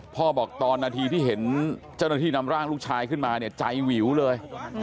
บอกตอนนาทีที่เห็นเจ้าหน้าที่นำร่างลูกชายขึ้นมาเนี่ยใจวิวเลย